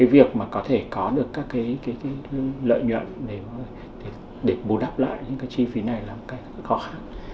việc có thể có được các lợi nhuận để bù đắp lại những chi phí này là một cái khó khăn